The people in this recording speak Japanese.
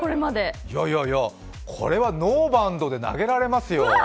いやいや、これはノーバウンドで投げられますよ。